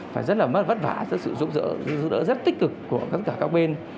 phải rất là vất vả sự giúp đỡ rất tích cực của các bên